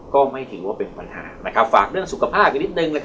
ก็ไม่ถือว่าเป็นปัญหาฝากเรื่องสุขภาพกันนิดนึง